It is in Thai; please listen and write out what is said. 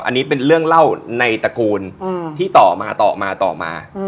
อันนี้เป็นเรื่องเล่าในตระกูลที่ต่อมาต่อมาต่อมา